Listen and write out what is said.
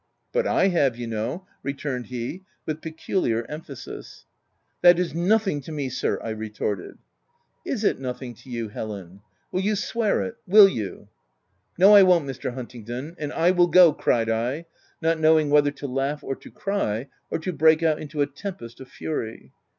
" But / have, you know," returned he, with peculiar emphasis. " That is nothing to me sir !" I retorted. "Is it nothing to you, Helen? — Will you swear it ?— Will you ?"" No, I won't, Mr. Huntingdon ! and I will go !" cried I, not knowing whether to laugh or to cry, or to break out into a tempest of fury.